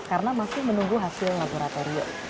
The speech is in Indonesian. karena masih menunggu hasil laboratorium